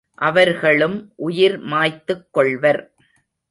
அவர்களும் உயிர் மாய்த்துக் கொள்வர்.